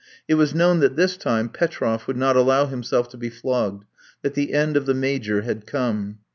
It was known that this time Petroff would not allow himself to be flogged, that the end of the Major had come.